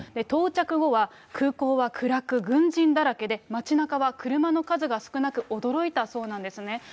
到着後は空港は暗く、軍人だらけで、街なかは車の数が少なく、驚いたそうなんですね。